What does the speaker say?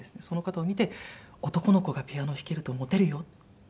その方を見て「男の子がピアノ弾けるとモテるよ」。